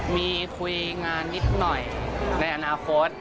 มีคุยงานนิดหน่อยในอนาคต